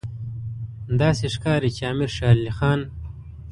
داسې ښکاري چې امیر شېر علي خان.